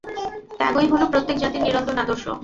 ত্যাগই হল প্রত্যেক জাতির চিরন্তন আদর্শ।